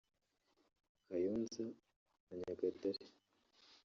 Kayonza na Nyagatare